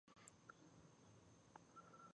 نهه دېرشم سوال د پلانګذارۍ هدف څه دی.